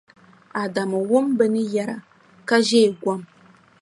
Adamu wum bɛ ni yɛra ka ʒeei gom.